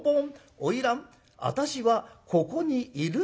『花魁私はここにいるよ』。